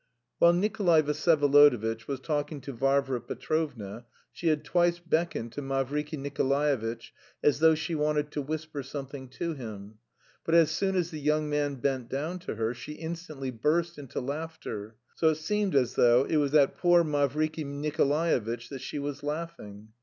While Nikolay Vsyevolodovitch was talking to Varvara Petrovna, she had twice beckoned to Mavriky Nikolaevitch as though she wanted to whisper something to him; but as soon as the young man bent down to her, she instantly burst into laughter; so that it seemed as though it was at poor Mavriky Nikolaevitch that she was laughing.